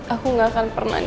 aku gak akan berjanji sama haris